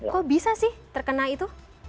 kok bisa sih terkena itu